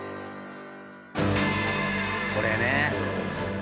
これね。